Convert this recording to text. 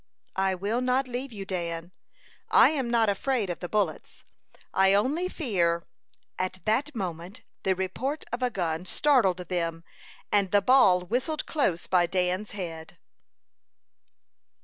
"I will not leave you, Dan. I am not afraid of the bullets. I only fear " At that moment the report of a gun startled them, and the ball whistled close by Dan's head.